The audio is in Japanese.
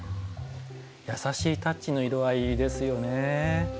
優しいタッチの色合いですよね。